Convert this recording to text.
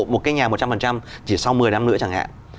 một cái nhà một trăm linh chỉ sau một mươi năm nữa chẳng hạn